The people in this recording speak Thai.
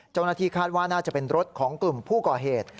เจ้าหน้าที่คาดว่าน่าจะเป็นรถของกลุ่มผู้ก่อเหตุ